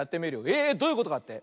えどういうことかって？